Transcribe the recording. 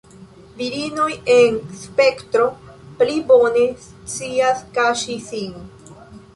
Virinoj en spektro pli bone scias kaŝi sin.